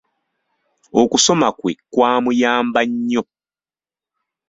Okusoma kwe kwamuyamba nnyo.